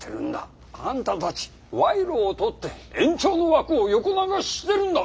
あんたたち賄賂を取って延長の枠を横流ししてるんだ！